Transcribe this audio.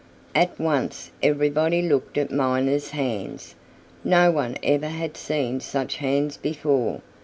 At once everybody looked at Miner's hands. No one ever had seen such hands before.